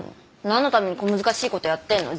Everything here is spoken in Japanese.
何のために小難しいことやってんの？